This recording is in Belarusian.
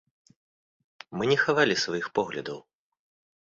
Мы не хавалі сваіх поглядаў.